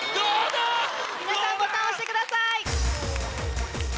皆さんボタンを押してください。